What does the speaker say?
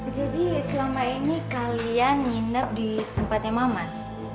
jadi selama ini kalian nginap di tempatnya mamat